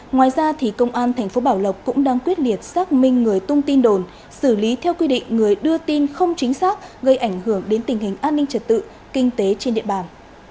ngoài ra công an thành phố bảo lộc cũng đang quyết liệt xác minh người tung tin đồn xử lý theo quy định người đưa tin không chính xác gây ảnh hưởng đến tình hình an ninh trật tự kinh tế trên địa bàn